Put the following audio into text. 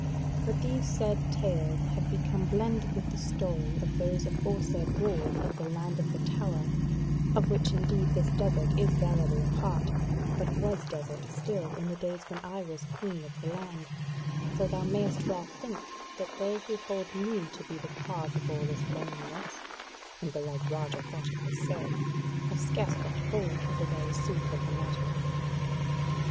But these said tales have become blended with the story of those aforesaid wars of the Land of the Tower; of which indeed this desert is verily a part, but was desert still in the days when I was Queen of the Land; so thou mayst well think that they who hold me to be the cause of all this loneliness (and belike Roger thought it was so) have scarce got hold of the very sooth of the matter."